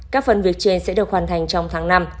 các phần việc trên sẽ được hoàn thành trong tháng năm